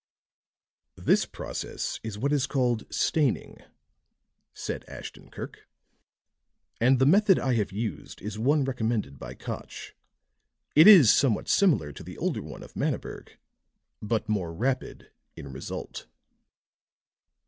"This process is what is called staining," said Ashton Kirk, "and the method I have used is one recommended by Koch; it is somewhat similar to the older one of Mannaberg, but more rapid in result."